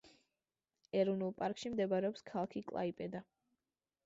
ეროვნულ პარკში მდებარეობს ქალაქი კლაიპედა.